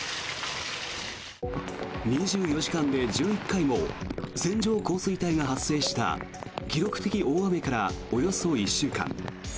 ２４時間で１１回も線状降水帯が発生した記録的大雨からおよそ１週間。